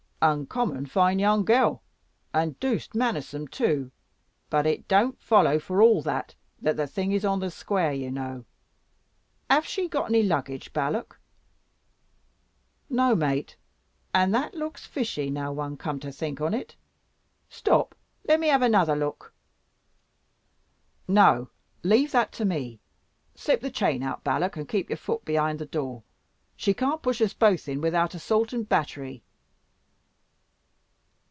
"Uncommon fine young gal, and doosed mannersome too; but it don't follow, for all that, that the thing is on the square, you know. Have she got any luggage, Balak?" "No, mate. And that looks fishy, now one come to think on it. Stop, let me have another look." "No; leave that to me. Slip the chain out, Balak: and keep your foot behind the door. She can't push us both in without assault and battery."